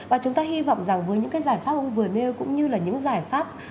và chúng ta hy vọng rằng với những cái giải pháp ông vừa nêu cũng như là những giải pháp